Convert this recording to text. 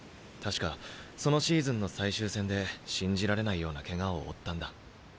確かそのシーズンの最終戦で信じられないようなケガを負ったんだ。